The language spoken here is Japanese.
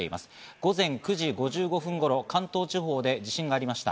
午前９時５５分頃、関東地方で地震がありました。